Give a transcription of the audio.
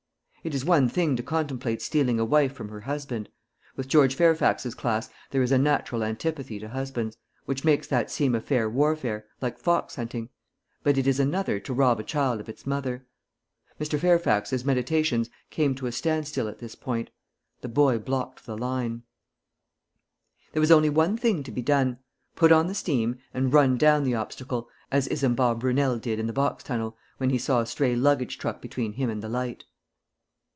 It is one thing to contemplate stealing a wife from her husband with George Fairfax's class there is a natural antipathy to husbands, which makes that seem a fair warfare, like fox hunting but it is another to rob a child of its mother. Mr. Fairfax's meditations came to a standstill at this point the boy blocked the line. There was only one thing to be done; put on the steam, and run down the obstacle, as Isambard Brunel did in the Box tunnel, when he saw a stray luggage truck between him and the light.